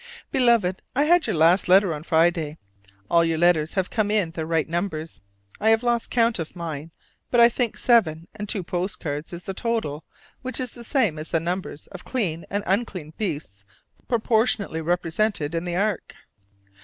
Beloved: I had your last letter on Friday: all your letters have come in their right numbers. I have lost count of mine; but I think seven and two postcards is the total, which is the same as the numbers of clean and unclean beasts proportionately represented in the ark.